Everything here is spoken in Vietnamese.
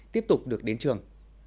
tiếp tục được đến trường